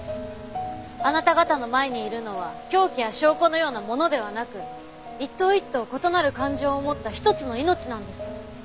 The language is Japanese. あなた方の前にいるのは凶器や証拠のようなものではなく一頭一頭異なる感情を持った一つの命なんです。